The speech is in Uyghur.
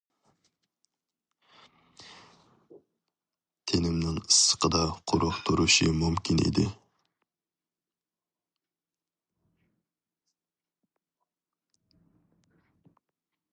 تېنىمنىڭ ئىسسىقىدا قۇرۇق تۇرۇشى مۇمكىن ئىدى.